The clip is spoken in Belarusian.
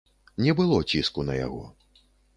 Не было ціску на яго.